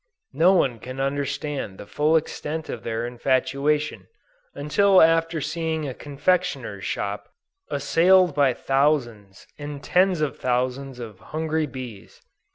No one can understand the full extent of their infatuation, until after seeing a confectioner's shop, assailed by thousands and tens of thousands of hungry bees.